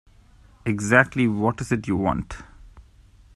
Exactly what is it you want?